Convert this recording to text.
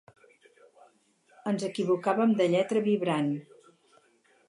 Ens equivocàvem de lletra vibrant.